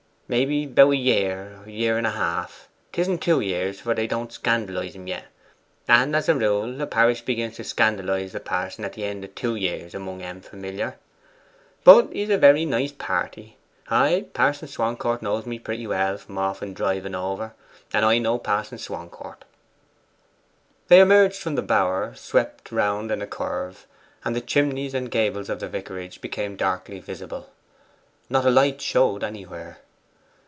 'Maybe about a year, or a year and half: 'tisn't two years; for they don't scandalize him yet; and, as a rule, a parish begins to scandalize the pa'son at the end of two years among 'em familiar. But he's a very nice party. Ay, Pa'son Swancourt knows me pretty well from often driving over; and I know Pa'son Swancourt.' They emerged from the bower, swept round in a curve, and the chimneys and gables of the vicarage became darkly visible. Not a light showed anywhere.